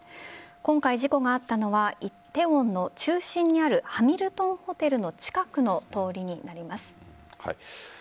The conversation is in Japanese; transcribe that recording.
今回、事故があったのは梨泰院の中心にあるハミルトンホテルの近くの通りになります。